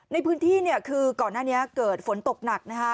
ในพื้นที่เนี่ยคือก่อนหน้านี้เกิดฝนตกหนักนะคะ